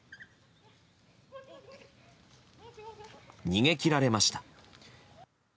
逃げ切られました。